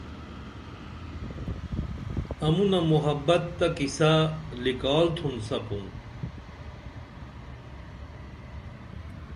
امونہ محبت تہ قصہ لِکال تُھن سپُن